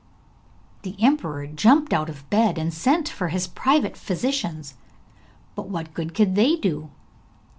The emperor jumped out of bed and sent for his private physicians, but what good could they do?